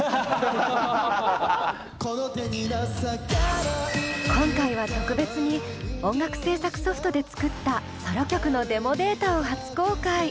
何か今回は特別に音楽制作ソフトで作ったソロ曲のデモデータを初公開。